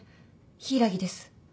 柊木です。